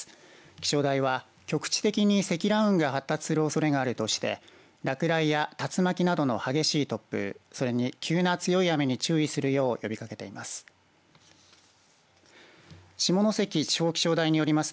気象台は局地的に積乱雲が発達するおそれがあるとして落雷や竜巻などの激しい突風それに急な強い雨に注意するよう呼びかけています。